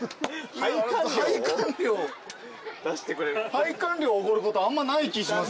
拝観料おごることあんまない気します。